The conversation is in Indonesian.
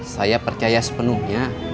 saya percaya sepenuhnya